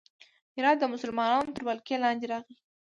هرات د مسلمانانو تر ولکې لاندې راغی.